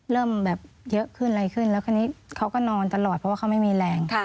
เริ่มแบบเยอะขึ้นอะไรขึ้นแล้วคราวนี้เขาก็นอนตลอดเพราะว่าเขาไม่มีแรง